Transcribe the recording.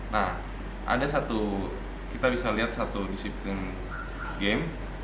nah ada satu kita bisa lihat satu disiplin game